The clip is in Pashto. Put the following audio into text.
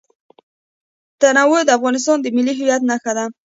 تنوع د افغانستان د ملي هویت نښه ده.